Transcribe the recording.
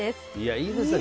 いいですね。